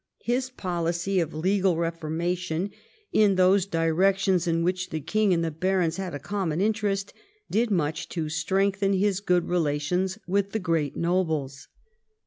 His policy of legal reforma tion, in those directions in which the king and the barons had a common interest, did much to strengthen his good relations with the great nobles.